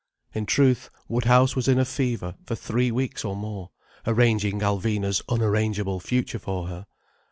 In truth, Woodhouse was in a fever, for three weeks or more, arranging Alvina's unarrangeable future for her.